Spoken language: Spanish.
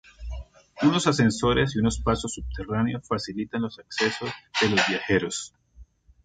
Unos ascensores y unos pasos subterráneos facilitan los accesos de los viajeros.